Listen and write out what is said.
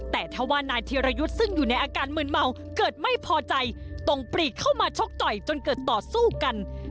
แต่ถ้าว่านายธีรยุทธ์ซึ่งอยู่ในอาการมืนเมาเกิดไม่พอใจตรงปรีกเข้ามาชกต่อยจนเกิดต่อสู้กัน